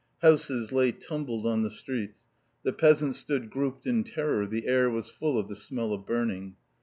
Houses lay tumbled on the streets, the peasants stood grouped in terror, the air was full of the smell of burning.